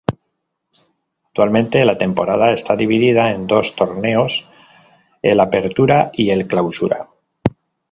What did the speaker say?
Actualmente la temporada está dividida en dos torneos, el "Apertura" y el "Clausura".